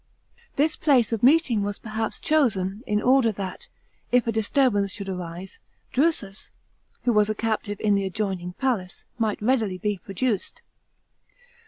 This place of meeting was perhaps chosen, in order that, if a disturbance should arise, Drusus, who was a captive in the adjoining palace, might readily be produced.